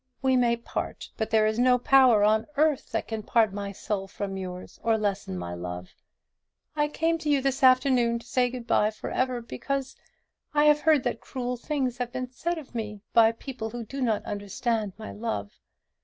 We may part; but there is no power on earth that can part my soul from yours, or lessen my love. I came to you this afternoon to say good bye for ever, because I have heard that cruel things have been said of me by people who do not understand my love.